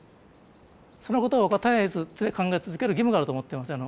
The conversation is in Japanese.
そのことを絶えず考え続ける義務があると思ってますよ